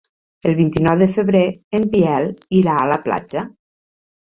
El vint-i-nou de febrer en Biel irà a la platja.